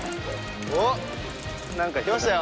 おっ来ましたよ。